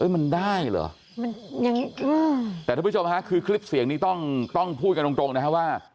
มันได้เหรอแต่ท่านผู้ชมค่ะคือคลิปเสียงนี้ต้องพูดกันตรงนะว่า